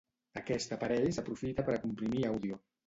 Aquest aparell s'aprofita per a comprimir àudio.